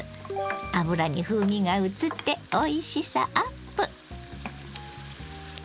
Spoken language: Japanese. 油に風味がうつっておいしさアップ。